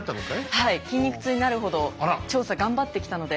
はい筋肉痛になるほど調査頑張ってきたので。